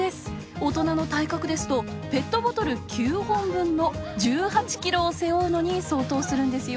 大人の体格ですと、ペットボトル９本分の１８ｋｇを背負うのに相当するんですよ。